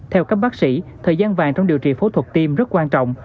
theo các bác sĩ thời gian vàng trong điều trị phẫu thuật tiêm rất quan trọng